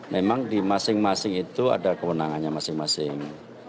memang di masing masing itu ada kewenangannya masing masing